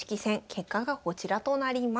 結果がこちらとなります。